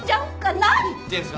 何言ってんですか！？